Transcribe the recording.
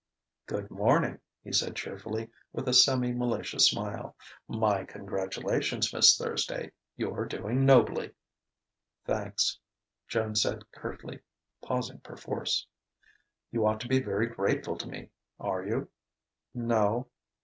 "Good morning!" he said cheerfully, with a semi malicious smile. "My congratulations, Miss Thursday! You're doing nobly." "Thanks," Joan said curtly, pausing perforce. "You ought to be very grateful to me. Are you?" "No."